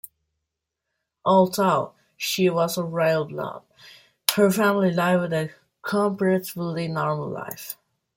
Although she was of royal blood, her family lived a comparatively normal life.